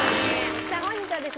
さあ本日はですね